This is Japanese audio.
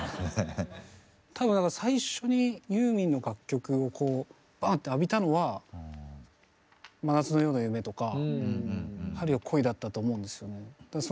多分最初にユーミンの楽曲をこうバンッて浴びたのは「真夏の夜の夢」とか「春よ、来い」だったと思うんですよね。